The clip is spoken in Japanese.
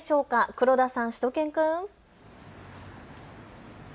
黒田さん、しゅと犬くん。